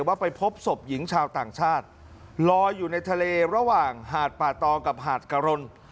ว่าไปพบศพหญิงชาวต่างชาติลอยอยู่ในทะเลระหว่างหาดป่าตองกับหาดกะรน